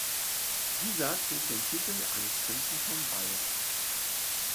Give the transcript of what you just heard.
Dieser trug den Titel eines Prinzen von Beira.